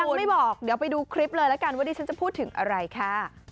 ยังไม่บอกเดี๋ยวไปดูคลิปเลยแล้วกันว่าดิฉันจะพูดถึงอะไรค่ะ